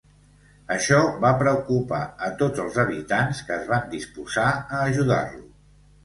Això va preocupar a tots els habitants, que es van disposar a ajudar-lo.